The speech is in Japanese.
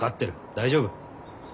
大丈夫。